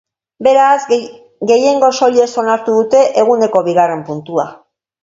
Beraz, gehiengo soilez onartu dute eguneko bigarren puntua.